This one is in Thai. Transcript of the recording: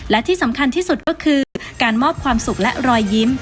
และที่สำคัญที่สุดก็คือการมอบความสุขและรอยยิ้ม